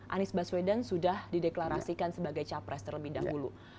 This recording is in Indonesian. anies baswedan sudah dideklarasikan sebagai tetap presiden terlebih dahulu